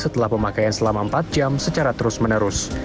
setelah pemakaian selama empat jam secara terus menerus